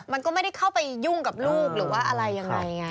มันก็ไม่ได้เข้าไปยุ่งกับลูกหรือว่าอะไรยังไงไง